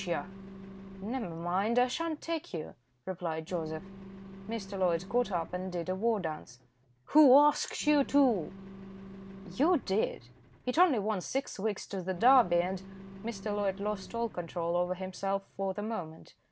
Yah!" "Never mind; I sha'n't take you," replied Joseph. Mr. Loyd got up and did a war dance. "Who asked you to?" "You did. It only wants six weeks to the Derby, and " Mr. Loyd lost all control over himself for the moment.